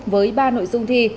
với ba nội dung thi